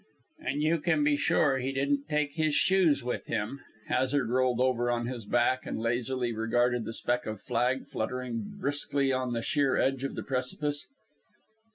"And you can be sure he didn't take his shoes with, him." Hazard rolled over on his back and lazily regarded the speck of flag fluttering briskly on the sheer edge of the precipice.